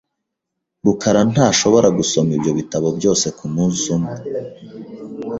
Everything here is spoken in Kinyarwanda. rukara ntashobora gusoma ibyo bitabo byose kumunsi umwe .